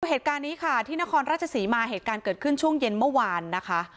เหตุการณ์นี้ค่ะที่นครราชศรีมาเหตุการณ์เกิดขึ้นช่วงเย็นเมื่อวานนะคะ